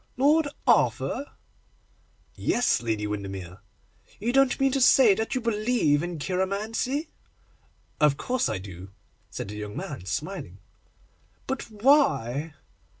'Lord Arthur?' 'Yes, Lady Windermere.' 'You don't mean to say that you believe in cheiromancy?' 'Of course I do,' said the young man, smiling. 'But why?